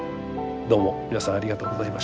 どうも皆さんありがとうございました。